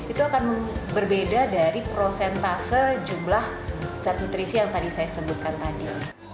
itu akan berbeda dari prosentase jumlah zat nutrisi yang tadi saya sebutkan tadi